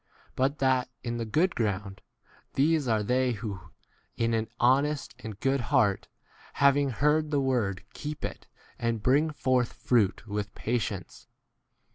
But that in* the good ground, these are they who, in an honest and good heart, having heard the word keep it, and bring 18 forth fruit with patience.